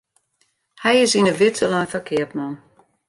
Hy is yn 'e widze lein foar keapman.